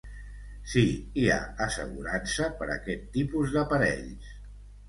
Sí, hi ha assegurança per a aquest tipus d'aparells.